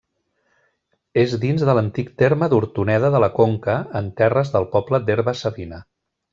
És dins de l'antic terme d'Hortoneda de la Conca, en terres del poble d'Herba-savina.